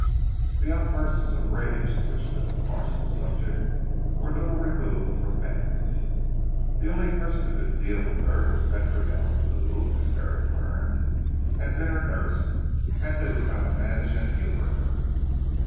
The outbursts of rage to which Mrs. Marsh was subject were little removed from madness. The only person who could deal with her was Petronella, who (as Herrick learned) had been her nurse, and knew how to manage and humour her.